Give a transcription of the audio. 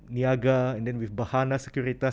niaga dan dengan bahana securitas